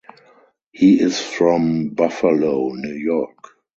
He is from Buffalo, New York.